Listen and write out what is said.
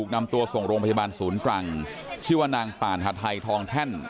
นำตัวส่งโรงพยาบาลศูนย์ตรังชื่อว่านางป่านหาทัยทองแท่น